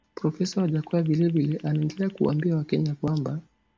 Profesa Wajackoya vile vile anaendelea kuwaambia wakenya kwamba